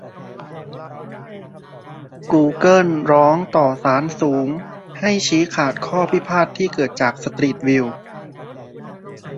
กูเกิลร้องต่อศาลสูง ให้ชี้ขาดข้อพิพาทที่เกิดจากสตรีทวิว